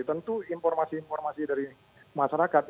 tentu informasi informasi dari masyarakat